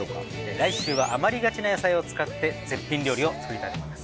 来週は余りがちな野菜を使って絶品料理を作りたいと思います。